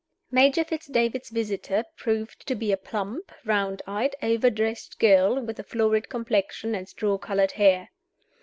MAJOR FITZ DAVID'S visitor proved to be a plump, round eyed overdressed girl, with a florid complexion and straw colored hair.